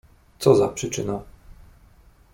"Co za przyczyna?"